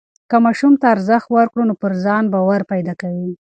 که ماشوم ته ارزښت ورکړو نو پر ځان باور پیدا کوي.